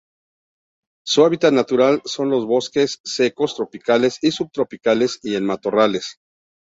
Su hábitat natural son los bosques secos tropicales y subtropicales y en matorrales.